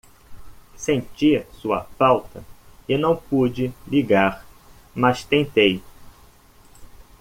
Senti sua falta e não pude ligar, mas tentei.